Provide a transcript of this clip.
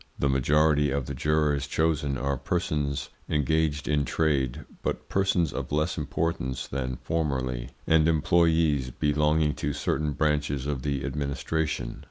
... The majority of the jurors chosen are persons engaged in trade, but persons of less importance than formerly, and employes belonging to certain branches of the administration.